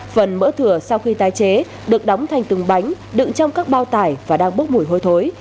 phần mỡ thừa sau khi tái chế được đóng thành từng bánh đựng trong các bao tải và đang bốc mùi hôi thối